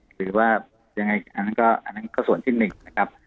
หรือว่ายังไงอันนั้นก็อันนั้นก็ส่วนที่หนึ่งนะครับ